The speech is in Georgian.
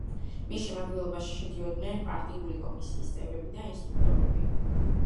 მის შემადგენლობაში შედიოდნენ პარტიული კომისიის წევრები და ინსტრუქტორები.